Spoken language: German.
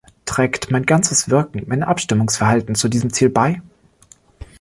Trägt mein ganzes Wirken, mein Abstimmungsverhalten zu diesem Ziel bei?